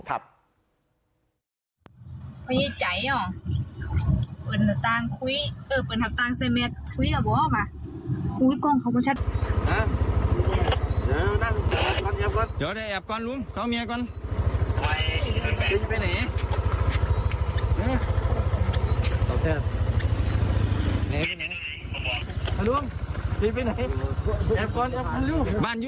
สวัสดีครับทุกคนวันนี้จะเป็นวันที่สุดท้ายในเมืองเมืองเมืองสุดท้าย